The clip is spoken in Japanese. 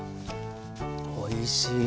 おいしい。